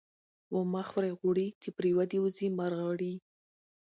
ـ ومه خورئ غوړي ،چې پرې ودې وځي مړغړي.